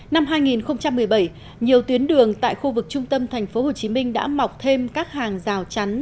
năm hai nghìn một mươi bảy nhiều tuyến đường tại khu vực trung tâm tp hcm đã mọc thêm các hàng rào chắn